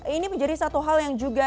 ini menjadi satu hal yang juga